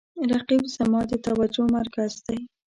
رقیب زما د توجه مرکز دی